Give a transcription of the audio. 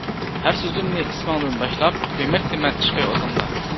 ھەر سۆزۈمنى ئىسمىڭدىن باشلاپ، كۆيمەكتىمەن ئىشقى ئوتۇڭدا.